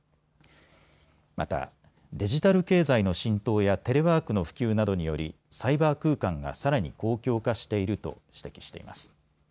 またデジタル経済の浸透やテレワークの普及などによりサイバー空間がさらに公共化していると指摘しています。